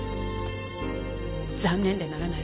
残念でならないわ。